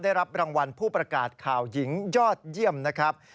ได้รับรางวัลผู้ประกาศข่าวหญิงยอดเยี่ยมนะครับ